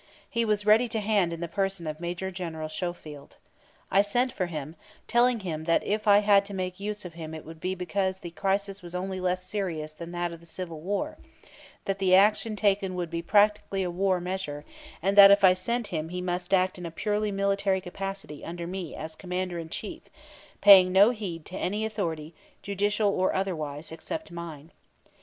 He was ready to hand in the person of Major General Schofield. I sent for him, telling him that if I had to make use of him it would be because the crisis was only less serious than that of the Civil War, that the action taken would be practically a war measure, and that if I sent him he must act in a purely military capacity under me as commander in chief, paying no heed to any authority, judicial or otherwise, except mine.